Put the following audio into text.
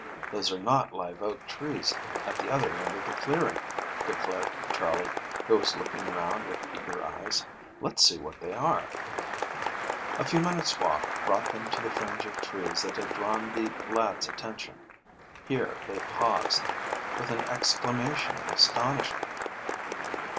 "Those are not live oak trees at the other end of the clearing," declared Charley, who was looking around with eager eyes. "Let's see what they are." A few minutes' walk brought them to the fringe of trees that had drawn the lads' attention. Here they paused, with an exclamation of astonishment.